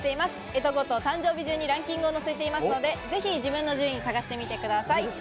えとごと、誕生日順にランキングを載せていますので、ぜひ自分の順位を探してみてください。